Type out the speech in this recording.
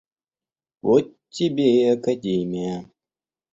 Вот тебе и академия!